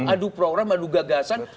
adu program adu gagasan